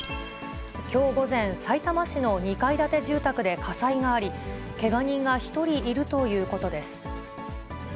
きょう午前、さいたま市の２階建て住宅で火災があり、けが人が１人いるということです。